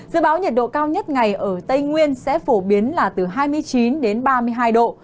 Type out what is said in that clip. dự báo nhiệt độ cao nhất ngày ở tây nguyên sẽ phổ biến là từ hai mươi chín đến ba mươi hai độ